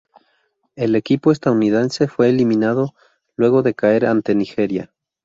El equipo estadounidense fue eliminado luego de caer ante Nigeria.